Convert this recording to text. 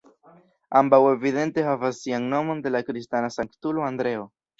Ambaŭ evidente havas sian nomon de la kristana sanktulo Andreo.